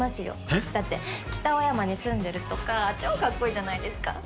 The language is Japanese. えっ？だって北青山に住んでるとか超かっこいいじゃないですか。